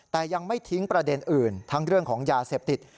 แต่ยังไม่ทิ้งประเด็นอื่นทั้งเรื่องของยาเสพติด